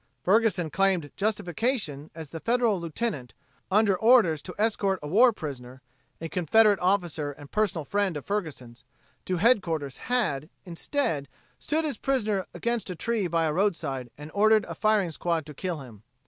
Ferguson claimed justification as the Federal lieutenant, under orders to escort a war prisoner a Confederate officer and personal friend of Ferguson's to headquarters, had, instead, stood his prisoner against a tree by a roadside and ordered a firing squad to kill him.